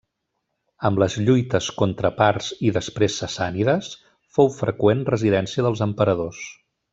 Amb les lluites contra parts i després sassànides, fou freqüent residència dels emperadors.